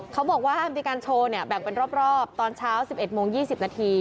เขาบอกว่ามีการโชว์เนี่ยแบ่งเป็นรอบตอนเช้า๑๑โมง๒๐นาที